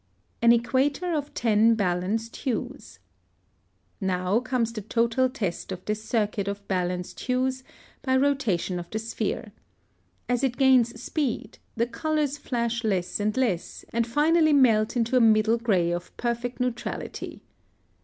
+An equator of ten balanced hues.+ (114) Now comes the total test of this circuit of balanced hues by rotation of the sphere. As it gains speed, the colors flash less and less, and finally melt into a middle gray of perfect neutrality.